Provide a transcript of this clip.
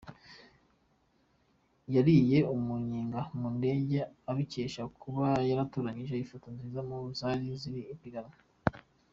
Yariye umunyenga mu ndege abikesha kuba yaratoranyije ifoto nziza mu zari mu ipiganwa.